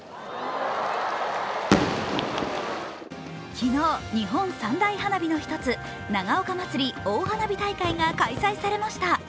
昨日、日本三大花火の一つ長岡まつり大花火大会が開催されました。